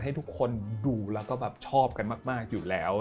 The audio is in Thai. ให้ทุกคนดูแล้วก็แบบชอบกันมากอยู่แล้ว